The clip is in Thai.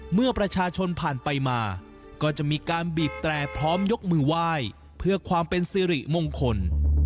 เมื่อประชาชนผ่านไปมาก็จะมีการบีบแตรพร้อมยกมือไหว้เพื่อความเป็นสิริมงคล